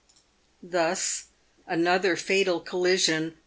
Thus, " Another Eatal Collision.